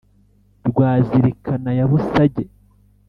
rwa zirikana ya busage